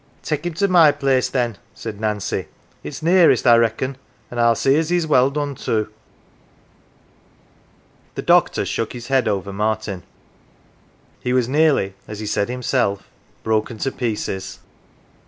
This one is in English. " Take him to my place, then," said Nancy. " It's nearest, I reckon, an' I'll see as he's well done to." 85 NANCY The doctor shook his head over Martin : he was nearly, as he said himself, "broken to pieces."